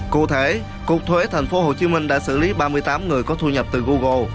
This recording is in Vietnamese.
cụ thể cục thuế tp hcm đã xử lý ba mươi tám người có thu nhập từ google